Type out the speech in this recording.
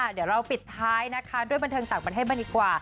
เดี๋ยวเราปิดท้ายนะคะด้วยบันเทิงต่างประเทศมาดีกว่า